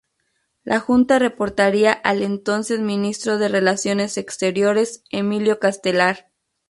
La Junta reportaría al entonces Ministro de Relaciones Exteriores, Emilio Castelar.